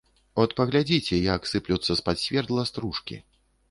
От паглядзіце, як сыплюцца з-пад свердла стружкі.